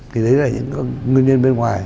thì đấy là những nguyên nhân bên ngoài